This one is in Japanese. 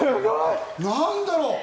何だろう？